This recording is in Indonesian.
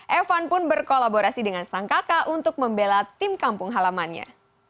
evan pun berkolaborasi dengan sang kakak untuk membela tim kampung halamannya